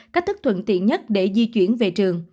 cách thức thuận tiện nhất để di chuyển về trường